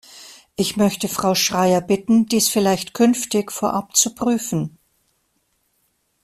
Ich möchte Frau Schreyer bitten, dies vielleicht künftig vorab zu prüfen.